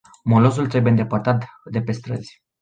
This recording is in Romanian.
Molozul trebuie îndepărtat de pe străzi.